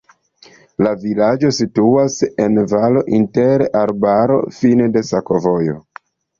La vilaĝo situas en valo inter arbaroj, fine de sakovojo.